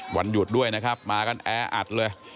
วันหยุดด้วยนะครับมากันแออัดเลย